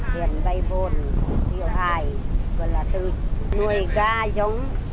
tiền vay vốn tiêu hài gần là tươi nuôi ca giống